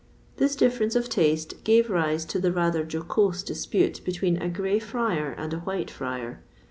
This difference of taste gave rise to a rather jocose dispute between a grey friar and a white friar.